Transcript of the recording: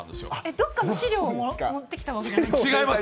どこかの資料を持ってきたわけじゃないんですか？